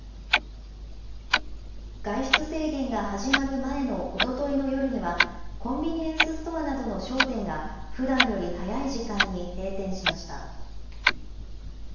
外出制限が始まる前のおとといの夜には、コンビニエンスストアなどの商店が、ふだんより早い時間に閉店しました。